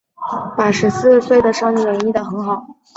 把十四岁的少年演绎的很好